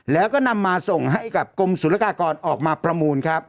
แล้วก็นำมาส่งให้กลมศูนยากรออกมาประมูล